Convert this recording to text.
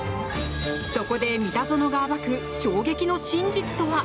そこで三田園が暴く衝撃の真実とは？